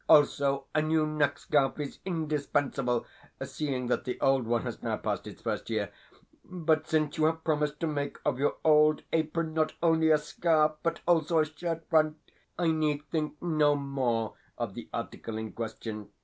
Also, a new neck scarf is indispensable, seeing that the old one has now passed its first year; but, since you have promised to make of your old apron not only a scarf, but also a shirt front, I need think no more of the article in question.